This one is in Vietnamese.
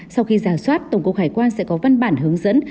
sau khi giả soát tổng cục hải quan sẽ có văn bản hướng dẫn